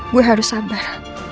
gue harus sabar